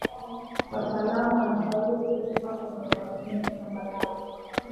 Wataalam wanashauri kulima kwenye maeneo ya tambarare